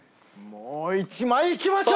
もう１枚いきましょう！